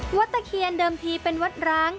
ตะเคียนเดิมทีเป็นวัดร้าง